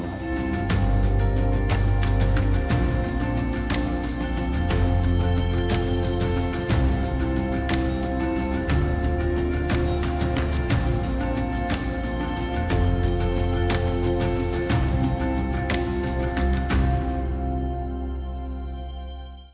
โปรดติดตามตอนต่อไป